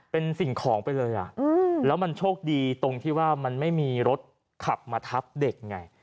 เป็นสิ่งของไปเลยอ่ะแล้วมันโชคดีตรงที่ว่ามันไม่มีรถขับมาทับเด็กไง